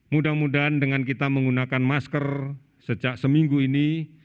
mudah mudahan dengan kita menggunakan masker sejak seminggu ini